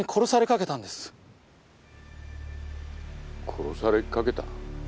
殺されかけた？